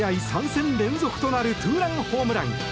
３戦連続となるツーランホームラン。